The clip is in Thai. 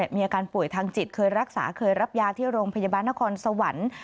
มีอาการป่วยทางจิตเคยรักษาเคยรับยาที่โรงพยาบาลนครสวรรค์